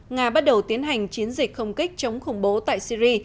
nga bắt đầu tiến hành chiến dịch không kích chống khủng bố tại syri